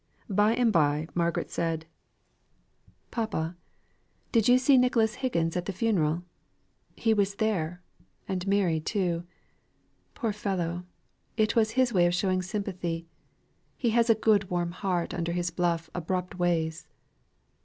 By and by Margaret said: "Papa did you see Nicholas Higgins at the funeral? He was there, and Mary too. Poor fellow! it was his way of showing sympathy. He has a good warm heart under his bluff abrupt ways."